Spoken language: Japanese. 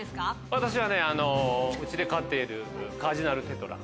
私はねうちで飼っているカージナルテトラ。